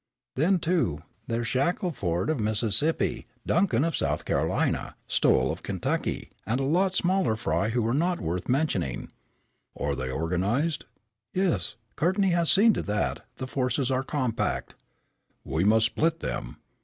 "Then, too, there's Shackelford of Mississippi, Duncan of South Carolina, Stowell of Kentucky, and a lot of smaller fry who are not worth mentioning." "Are they organized?" "Yes, Courtney has seen to that, the forces are compact." "We must split them.